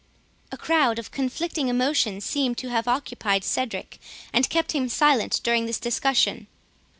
A crowd of conflicting emotions seemed to have occupied Cedric, and kept him silent during this discussion.